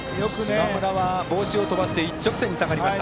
嶋村は帽子を飛ばして一直線に下がりました。